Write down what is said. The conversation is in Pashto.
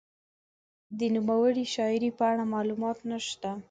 د نوموړې شاعرې په اړه معلومات نشته.